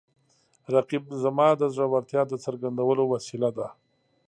رقیب زما د زړورتیا د څرګندولو وسیله ده